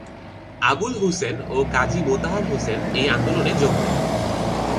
আবুল হুসেন ও কাজী মোতাহার হোসেন এই আন্দোলনে যোগ দেন।